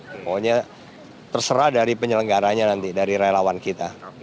pokoknya terserah dari penyelenggaranya nanti dari relawan kita